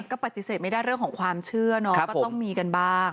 ก็ปฏิเสธไม่ได้เรื่องของความเชื่อเนาะก็ต้องมีกันบ้าง